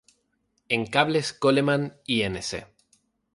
En cables Coleman, inc.